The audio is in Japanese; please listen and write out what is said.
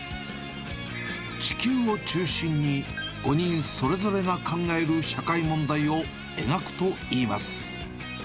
地球を中心に５人それぞれが考える社会問題を描くといいます。